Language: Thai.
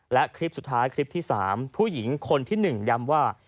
และคลิปสุดท้ายคลิปที่๓ผู้หญิงคนที่๑ย้ำว่า